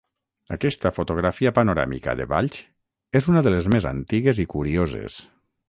Aquesta fotografia panoràmica de Valls és una de les més antigues i curioses.